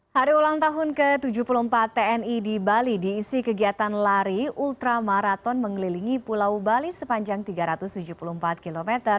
hari ulang tahun ke tujuh puluh empat tni di bali diisi kegiatan lari ultra maraton mengelilingi pulau bali sepanjang tiga ratus tujuh puluh empat km